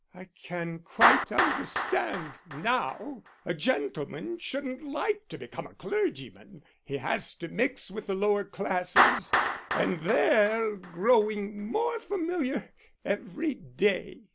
I can quite understand that now a gentleman shouldn't like to become a clergyman; he has to mix with the lower classes, and they're growing more familiar every day."